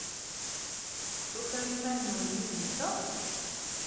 Tufam iman-nwen yid-nteɣ?